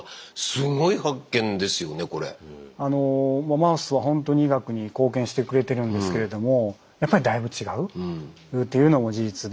マウスはほんとに医学に貢献してくれてるんですけれどもやっぱりだいぶ違うというのも事実で。